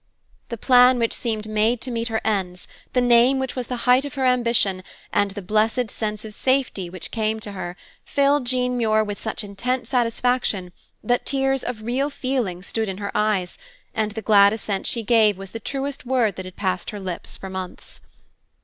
The plan which seemed made to meet her ends, the name which was the height of her ambition, and the blessed sense of safety which came to her filled Jean Muir with such intense satisfaction that tears of real feeling stood in her eyes, and the glad assent she gave was the truest word that had passed her lips for months.